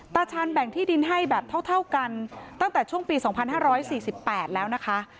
ตาชานแบ่งที่ดินให้แบบเท่าเท่ากันตั้งแต่ช่วงปีสองพันห้าร้อยสี่สิบแปดแล้วนะคะ